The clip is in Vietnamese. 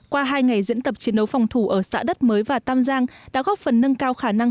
qua hai ngày diễn tập chiến đấu phòng thủ ở xã đất mới và tam giang đã góp phần nâng cao khả năng